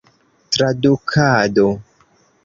tradukado